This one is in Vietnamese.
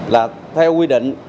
là theo quy định